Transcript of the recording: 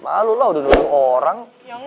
malu lah udah nunggu orang